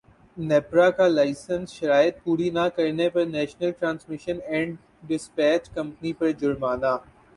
نیپرا کا لائسنس شرائط پوری نہ کرنے پر national transmission and dispatch company پر جرمانہ